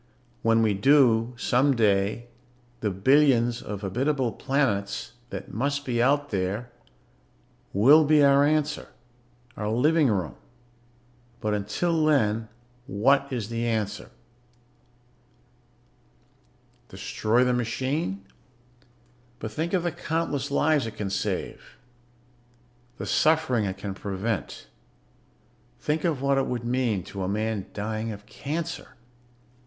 When we do, someday, the billions of habitable planets that must be out there will be our answer ... our living room. But until then, what is the answer? "Destroy the machine? But think of the countless lives it can save, the suffering it can prevent. Think of what it would mean to a man dying of cancer.